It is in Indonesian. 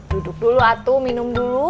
duduk dulu atu minum dulu